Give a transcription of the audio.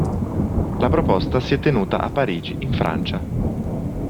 La proposta si è tenuta a Parigi, in Francia.